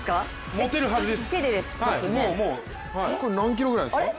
持てるはずです。